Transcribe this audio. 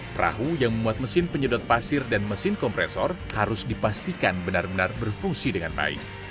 perahu yang memuat mesin penyedot pasir dan mesin kompresor harus dipastikan benar benar berfungsi dengan baik